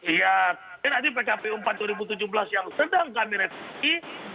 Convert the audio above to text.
iya nanti pkpu empat dua ribu tujuh belas yang sedang kami revisi